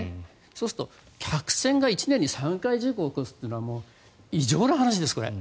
そうすると客船が１年に３回事故を起こすというのは異常な話です、これ。